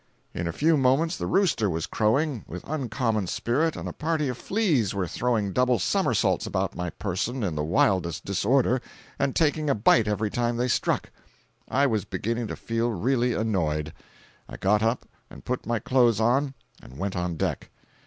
In a few moments the rooster was crowing with uncommon spirit and a party of fleas were throwing double somersaults about my person in the wildest disorder, and taking a bite every time they struck. I was beginning to feel really annoyed. I got up and put my clothes on and went on deck.